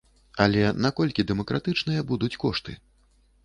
Але наколькі дэмакратычныя будуць кошты?